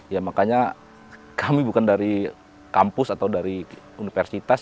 ya makanya kami bukan dari kampus atau dari universitas